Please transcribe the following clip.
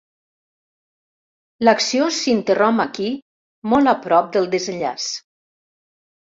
L'acció s'interromp aquí, molt a prop del desenllaç.